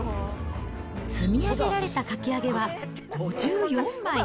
積み上げられたかき揚げは５４枚。